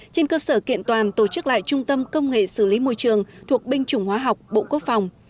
trên cơ sở kiện toàn tổ chức lại trung tâm công nghệ xử lý môi trường thuộc binh chủng hóa học bộ quốc phòng